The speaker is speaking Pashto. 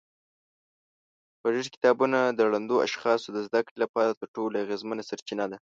غږیز کتابونه د ړندو اشخاصو د زده کړې لپاره تر ټولو اغېزمنه سرچینه ده.